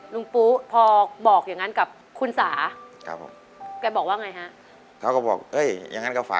ลุงปู้พอบอกอย่างนั้นกับคุณสา